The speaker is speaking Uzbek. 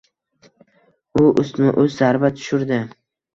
U ustma-ust zarba tushirdi.